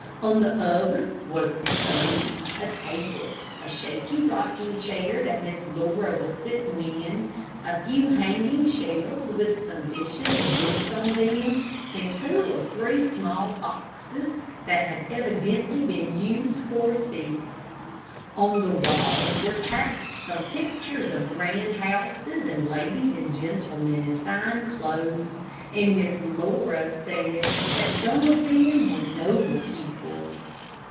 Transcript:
On the other was a stove, a table, a shaky rocking chair that Miss Laura was sitting in, a few hanging shelves with some dishes and books on them, and two or three small boxes that had evidently been used for seats. On the walls were tacked some pictures of grand houses and ladies and gentlemen in fine clothes, and Miss Laura said that some of them were noble people.